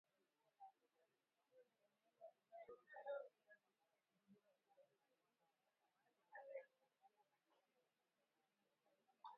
Taarifa ya jeshi la Jamhuri ya Kidemokrasia ya Kongo imesema kwamba wanajeshi wawili wa Rwanda wamekamatwa na jeshi la Kongo katika makabiliano